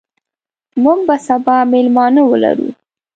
موږ به سبا مېلمانه ولرو.